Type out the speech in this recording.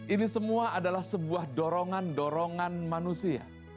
ini semua adalah sebuah dorongan dorongan manusia